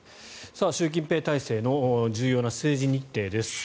習近平体制の重要な政治日程です。